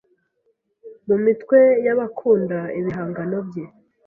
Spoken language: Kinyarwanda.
mu mitwe y’abakunda ibihangano bye